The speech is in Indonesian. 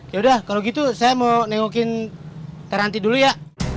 yaudah kalau gitu saya mau nengokin terhenti dulu ya